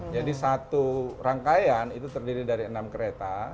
jadi satu rangkaian itu terdiri dari enam kereta